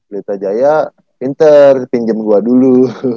lita jaya pinter pinjem gua dulu